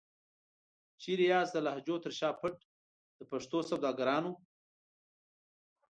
چيري یاست د لهجو تر شا پټ د پښتو سوداګرانو؟